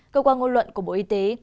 cơ quan ngôn luận của bộ y tế